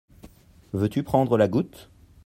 Veux-tu prendre la goutte ?